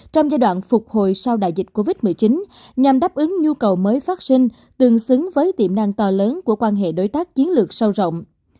trong giai đoạn phục hồi sau đại dịch covid một mươi chín nhằm đáp ứng nhu cầu mới phát sinh tương xứng với tiềm năng to lớn của quan hệ đối tác chiến lược sâu rộng